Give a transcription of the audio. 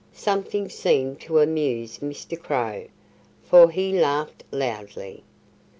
Something seemed to amuse Mr. Crow, for he laughed loudly.